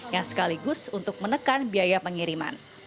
yang sekaligus untuk menekan biaya pengiriman